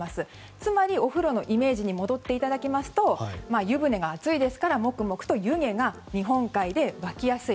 つまり、お風呂のイメージに戻っていただきますと湯船が熱いですからもくもくと湯気が日本海でわきやすい。